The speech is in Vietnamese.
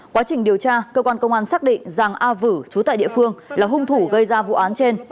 quá trình điều tra cơ quan công an xác định giàng a vữ trú tại địa phương là hung thủ gây ra vụ án trên